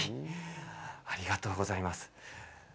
ありがとうございます。